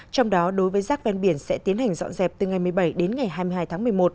trong đó đối với rác ven biển sẽ tiến hành dọn dẹp từ ngày một mươi bảy đến ngày hai mươi hai tháng một mươi một